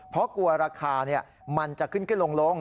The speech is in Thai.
เพราะกลัวราคามันจะขึ้นขึ้นลง